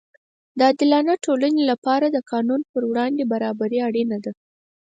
د عادلانه ټولنې لپاره د قانون پر وړاندې برابري اړینه ده.